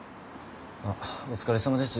あっお疲れさまです。